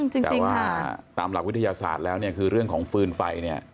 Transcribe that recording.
แต่ว่าตามหลักวิทยาศาสตร์แล้วเนี่ยคือเรื่องของฟืนไฟเนี่ย